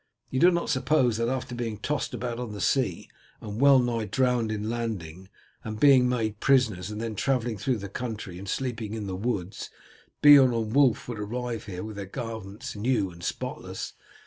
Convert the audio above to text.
You do not suppose that after being tossed about on the sea and well nigh drowned in landing, and being made prisoners, and then travelling through the country and sleeping in the woods, Beorn and Wulf would arrive here with their garments new and spotless.